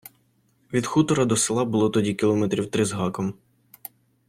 Від хутора до села було тоді кілометрів три з гаком.